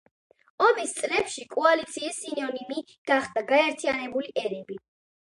ომის წლებში კოალიციის სინონიმი გახდა „გაერთიანებული ერები“.